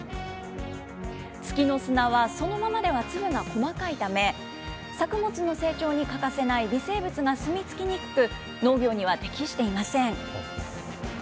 月の砂はそのままでは粒が細かいため、作物の成長に欠かせない微生物が住み着きにくく、農業には適していません。